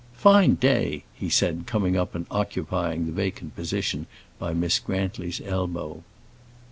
"Fine day," he said, coming up and occupying the vacant position by Miss Grantly's elbow.